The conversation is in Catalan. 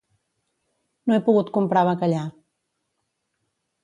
No he pogut comprar bacallà